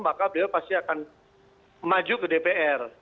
maka beliau pasti akan maju ke dpr